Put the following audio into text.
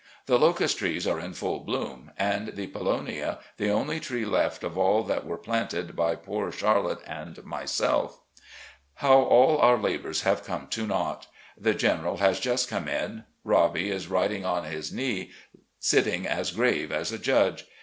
The locust trees are in full bloom, and the polonia, the only tree left of all that were planted by poor Char lotte and myself. How all our labours have come to naught. The General has just come in. Robbie is riding on his knee, sitting as grave as a judge.